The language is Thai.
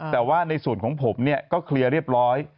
แต่ว่าในส่วนของผมก็เคลียร์เรียบร้อย